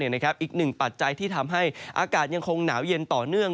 อีกหนึ่งปัจจัยที่ทำให้อากาศยังคงหนาวเย็นต่อเนื่อง